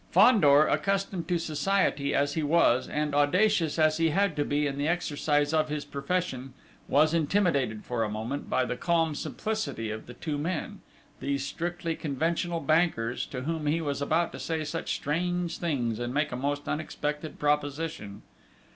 Fandor, accustomed to society as he was, and audacious as he had to be in the exercise of his profession, was intimidated, for a moment, by the calm simplicity of the two men these strictly conventional bankers, to whom he was about to say such strange things, and make a most unexpected proposition!